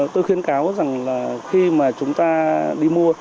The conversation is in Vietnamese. tôi khuyến cáo rằng là khi mà chúng ta đi mua